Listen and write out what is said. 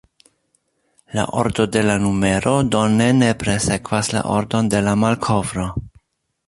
La ordo de la numero do ne nepre sekvas la ordon de la malkovro.